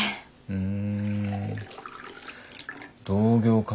うん。